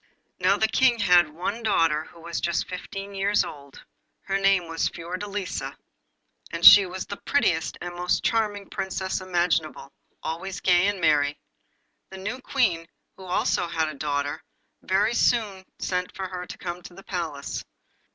Now the King had one daughter, who was just fifteen years old. Her name was Fiordelisa, and she was the prettiest and most charming Princess imaginable, always gay and merry. The new Queen, who also had a daughter, very soon sent for her to come to the Palace.